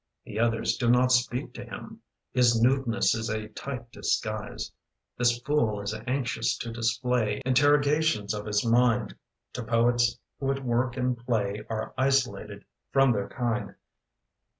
The others do not speak to him: His nudeness is a tight disguise. This fool is anxious to display Interrogations of his mind To poets who at work and play Are isolated from their kind.